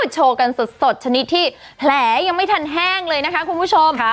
โชว์กันสดชนิดที่แผลยังไม่ทันแห้งเลยนะคะคุณผู้ชม